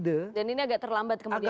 dan ini agak terlambat kemudian